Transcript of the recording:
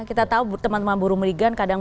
kita tahu teman teman buruh mirigan kadang